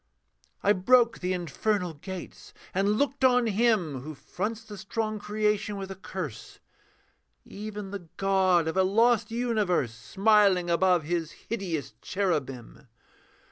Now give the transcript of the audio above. I broke the infernal gates and looked on him Who fronts the strong creation with a curse; Even the god of a lost universe, Smiling above his hideous cherubim.